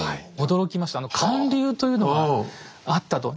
驚きました還流というのがあったと。